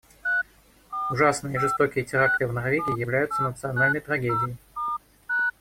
Ужасные и жестокие теракты в Норвегии являются национальной трагедией.